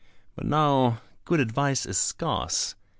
But now good advice is scarce.